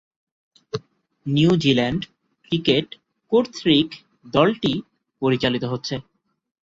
New Zealand cricket কর্তৃক দলটি পরিচালিত হচ্ছে।